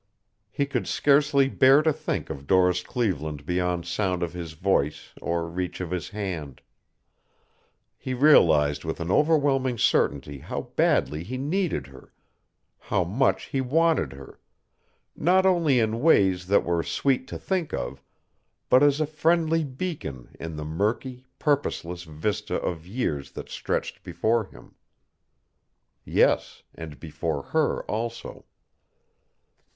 He could scarcely bear to think of Doris Cleveland beyond sound of his voice or reach of his hand. He realized with an overwhelming certainty how badly he needed her, how much he wanted her not only in ways that were sweet to think of, but as a friendly beacon in the murky, purposeless vista of years that stretched before him. Yes, and before her also.